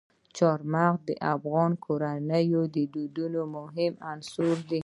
چار مغز د افغان کورنیو د دودونو مهم عنصر دی.